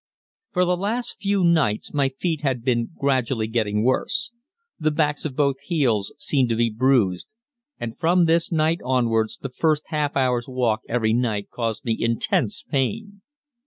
For the last few nights my feet had been gradually getting worse. The backs of both heels seemed to be bruised, and from this night onwards the first half hour's walk every night caused me intense pain.